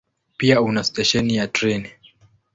Pia una stesheni ya treni.